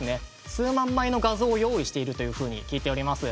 数万枚の画像を用意しているというふうに聞いております。